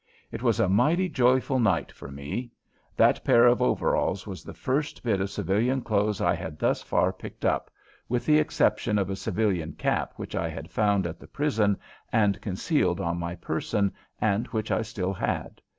It was a mighty joyful night for me. That pair of overalls was the first bit of civilian clothes I had thus far picked up, with the exception of a civilian cap which I had found at the prison and concealed on my person and which I still had.